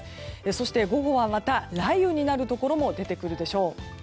そして、午後はまた雷雨になるところも出てくるでしょう。